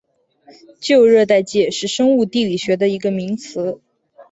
旧热带界是生物地理学的一个名词。